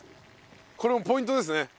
これもポイントですね。